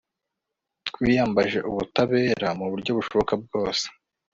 twiyambaje ubutabera mu buryo bushoboka bwose